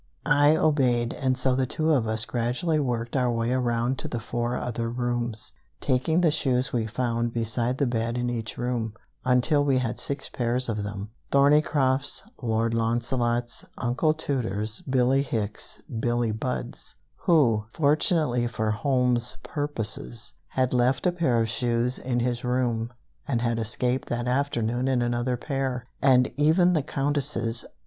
I obeyed, and so the two of us gradually worked our way around to the four other rooms, taking the shoes we found beside the bed in each room, until we had six pairs of them Thorneycroft's, Lord Launcelot's, Uncle Tooter's, Billie Hicks's, Billie Budd's (who, fortunately for Holmes's purposes, had left a pair of shoes in his room, and had escaped that afternoon in another pair) and even the Countess's.